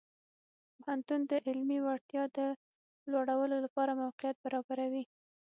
پوهنتون د علمي وړتیاو د لوړولو لپاره موقعیت برابروي.